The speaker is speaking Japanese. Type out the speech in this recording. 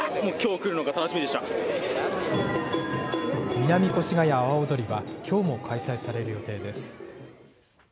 南越谷阿波踊りはきょうも開催される予定です。